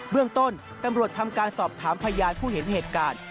เรื่องต้นตำรวจทำการสอบถามพยานผู้เห็นเหตุการณ์